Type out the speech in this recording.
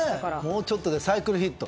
もうちょっとでサイクルヒット。